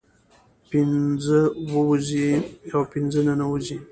پنځه ووزي او پنځه په ننوزي